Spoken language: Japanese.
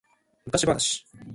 昔話